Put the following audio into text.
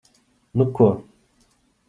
Nu ko...